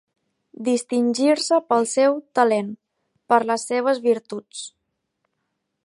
Distingir-se pel seu talent, per les seves virtuts.